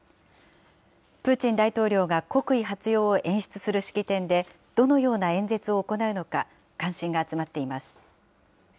プーチン大統領が国威発揚を演出する式典で、どのような演説を行うのか、関心が集まっています。